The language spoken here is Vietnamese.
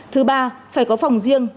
thứ ba phải có phòng riêng